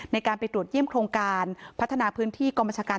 ในการไปตรวจเยี่ยมโครงการพัฒนาพื้นที่กรมชาการ